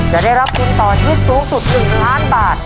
จะได้รับทุนต่อชีวิตสูงสุด๑ล้านบาท